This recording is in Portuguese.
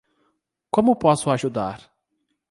Como posso ajudar?